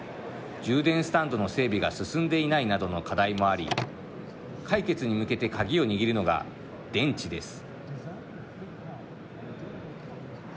充電スタンドの整備が進んでいないなどの課題もあり解決に向けて鍵を握るのが電池です。